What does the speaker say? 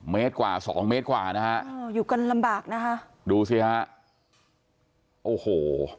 เมตรกว่าสองเมตรกว่านะฮะโอ้อยู่กันลำบากนะคะดูสิฮะโอ้โห